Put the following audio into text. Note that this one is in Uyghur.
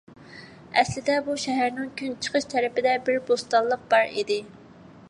ئەسلىدە بۇ شەھەرنىڭ كۈنچىقىش تەرىپىدە بىر بوستانلىق بار ئىدى.